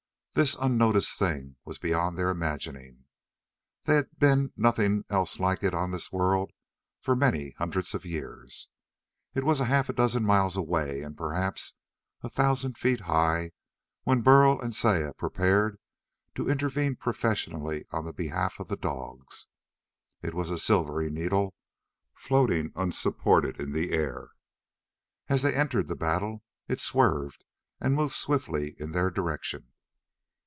This unnoticed thing was beyond their imagining. There had been nothing else like it on this world in many hundreds of years. It was half a dozen miles away and perhaps a thousand feet high when Burl and Saya prepared to intervene professionally on behalf of the dogs. It was a silvery needle, floating unsupported in the air. As they entered the battle, it swerved and moved swiftly in their direction.